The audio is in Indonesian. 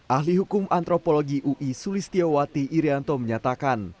ahli hukum antropologi ui sulistiawati irianto menyatakan